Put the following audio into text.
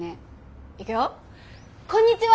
こんにちは！